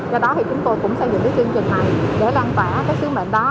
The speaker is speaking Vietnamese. do đó thì chúng tôi cũng xây dựng cái chương trình này để lan tỏa cái sứ mệnh đó